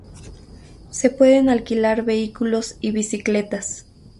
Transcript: Se pueden alquilar vehículos y bicicletas.